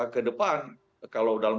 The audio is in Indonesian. ke depan kalau dalam